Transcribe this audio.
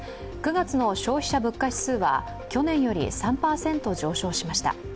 ９月の消費者物価指数は去年より３％上昇しました。